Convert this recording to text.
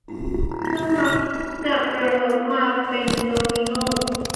ซึ่งมักจะกระทบมาเป็นโดมิโน่